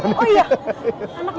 anak medan banget